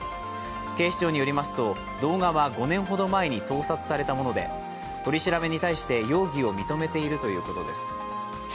警視庁によりますと動画は５年ほど前に盗撮されたもので取り調べに対して容疑を認めているということです。